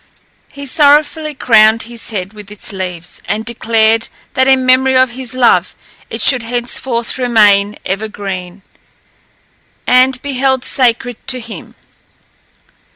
He sorrowfully crowned his head with its leaves, and declared, that in memory of his love, it should henceforth remain evergreen, and be held sacred to him.